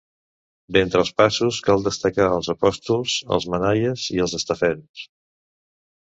D'entre els passos, cal destacar els Apòstols, els Manaies i els Estaferms.